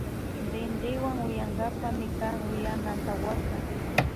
Rinrinwa uyankapak mikan uyana antawaka